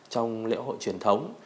trong lễ hội truyền thống